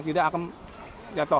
tidak akan jatuh